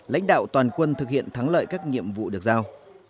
lãnh đạo toàn quân thực hiện thắng lợi các nhiệm vụ được giao